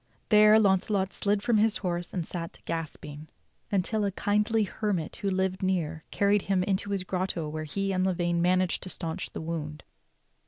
There Launcelot slid from his horse and sat gasping until a kindly hermit who lived near carried him into his grotto where he and Lavaine managed to stanch the wound.